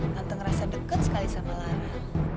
nanti ngerasa deket sekali sama lara